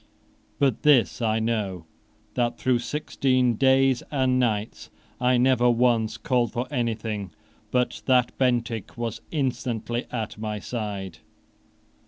But this I know, that, through sixteen days and nights, I never once called for anything but that Bentinck was instantly at my side."